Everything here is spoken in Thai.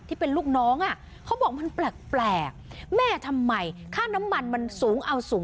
ที่เป็นลูกน้องอ่ะเขาบอกมันแปลกแม่ทำไมค่าน้ำมันมันสูงเอาสูง